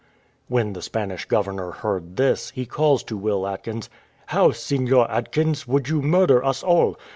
When the Spanish governor heard this, he calls to Will Atkins, "How, Seignior Atkins, would you murder us all?